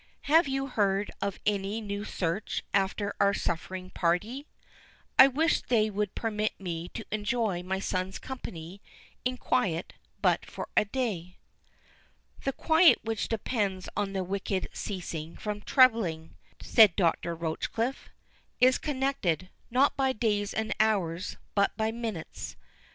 Have you heard of any new search after our suffering party? I wish they would permit me to enjoy my son's company in quiet but for a day." "The quiet which depends on the wicked ceasing from troubling," said Dr. Rochecliffe, "is connected, not by days and hours, but by minutes.